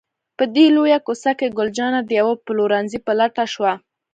په دې لویه کوڅه کې، ګل جانه د یوه پلورنځي په لټه شوه.